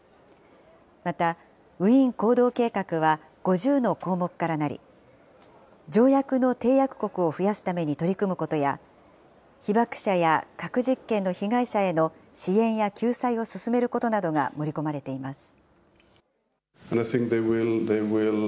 またウィーン行動計画は５０の項目からなり、条約の締約国を増やすために取り組むことや、被爆者や核実験の被害者への支援や救済を進めることなどが盛り込まれています。